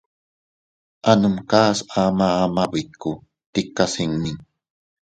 A numkas ama ama bikku tikas iinni.